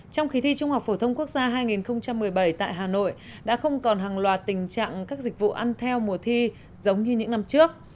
trong kỳ thi trung học phổ thông quốc gia hai nghìn một mươi bảy tại hà nội đã không còn hàng loạt tình trạng các dịch vụ ăn theo mùa thi giống như những năm trước